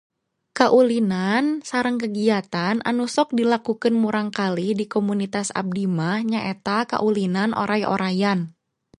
Kaulinan sareng kagiatan anu sok dilakukeun murangkalih di komunitas abdi mah nyaeta kaulinan oray-orayan.